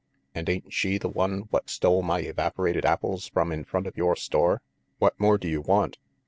And ain't she the one what stole my evaporated apples from in front of your store? What more do you want?"